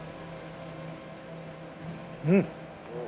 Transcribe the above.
うん。